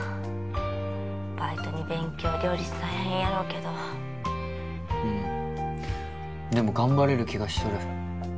バイトに勉強両立大変やろうけどうんでも頑張れる気がしとる